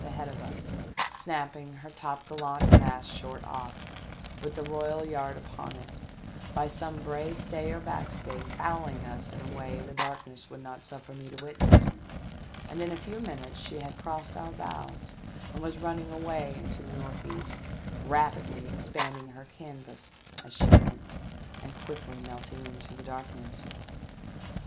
2,75 ahead of us, snapping her topgallant mast short off, with the royal yard upon it, by some brace, stay or backstay fouling us in a way the darkness would not suffer me to witness, and in a few minutes she had crossed our bows and was running away into the north east, rapidly expanding her canvas as she went, and quickly melting into the darkness.